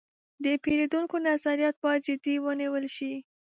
د پیرودونکو نظریات باید جدي ونیول شي.